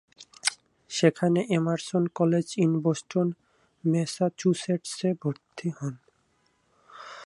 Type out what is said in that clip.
সেখানে Emerson college in Boston, Massachusetts এ ভর্তি হোন।